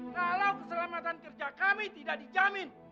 kalau keselamatan kerja kami tidak dijamin